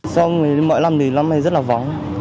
sau mọi năm thì lắm này rất là vóng